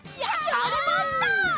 やりました！